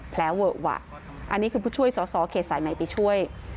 เวอะวะอันนี้คือผู้ช่วยสอสอเขตสายใหม่ไปช่วย